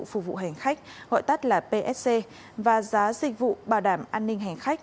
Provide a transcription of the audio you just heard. phục vụ hành khách gọi tắt là psc và giá dịch vụ bảo đảm an ninh hành khách